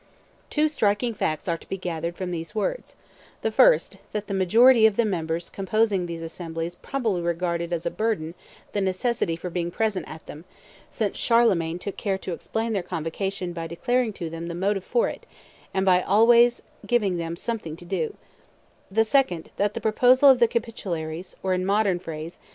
Two striking facts are to be gathered from these words: the first, that the majority of the members composing these assemblies probably regarded as a burden the necessity for being present at them, since Charlemagne took care to explain their convocation by declaring to them the motive for it and by always giving them something to do; the second, that the proposal of the capitularies, or, in modern phrase, the initiative, proceeded from the emperor.